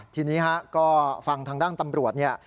ทีนี้ฮะก็ฟังทางด้านตำรวจเนี่ย